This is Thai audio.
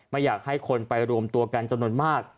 ไม่อยากให้คนไปรวมตัวกันจำนวนมาก